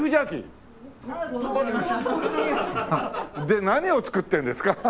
で何を作ってるんですか？